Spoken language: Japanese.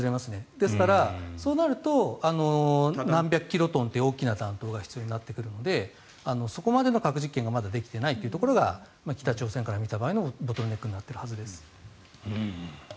ですから、そうなると何百キロトンという大きな弾頭が必要になってくるのでそこまでの核実験はまだできていないのが北朝鮮から見た場合のボトルネックになっているはずです。